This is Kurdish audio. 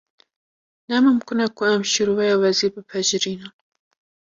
Ne mimkûn e ku em şîroveya wezîr bipejirînin